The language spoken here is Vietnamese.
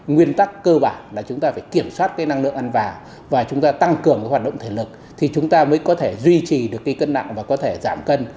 nguyên tắc cơ bản là chúng ta phải kiểm soát cái năng lượng ăn vàng và chúng ta tăng cường hoạt động thể lực thì chúng ta mới có thể duy trì được cái cân nặng và có thể giảm cân